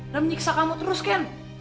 dan menyiksa kamu terus ken